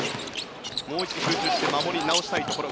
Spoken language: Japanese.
もう一度集中して守り直したいところ。